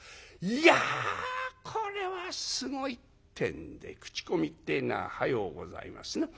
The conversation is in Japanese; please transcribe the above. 「いやこれはすごい」ってんで口コミってえのは早うございますな。